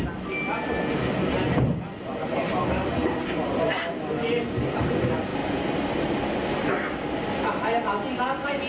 ครอบครัวไม่ได้อาฆาตแต่มองว่ามันช้าเกินไปแล้วที่จะมาแสดงความรู้สึกในตอนนี้